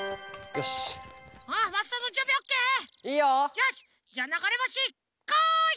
よしじゃながれぼしこい！